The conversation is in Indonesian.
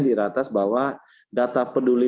di ratas bahwa data peduli